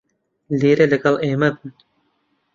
لێرە لەگەڵ ئێمە بن.